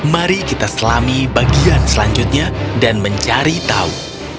mari kita selami bagian selanjutnya dan mencari tahu